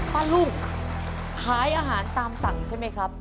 ลุงขายอาหารตามสั่งใช่ไหมครับ